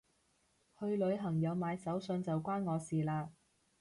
去旅行有買手信就關我事嘞